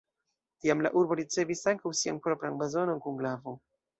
Tiam la urbo ricevis ankaŭ sian propran blazonon kun glavo.